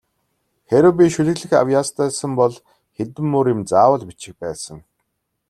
Хэрэв би шүлэглэх авьяастай сан бол хэдэн мөр юм заавал бичих байсан.